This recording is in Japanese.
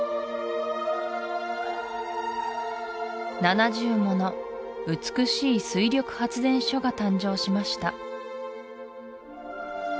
７０もの美しい水力発電所が誕生しました